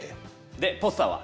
でポスターは？